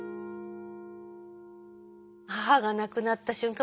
母が亡くなった瞬間